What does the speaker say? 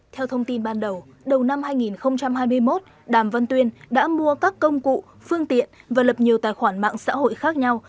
theo thông tin ban đầu đầu năm hai nghìn hai mươi một đàm văn tuyên đã mua các công cụ phương tiện và lập nhiều tài khoản mạng xã hội khác nhau